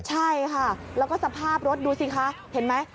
ใช่ค่ะแล้วก็สภาพรถดูสิคะเห็นไหม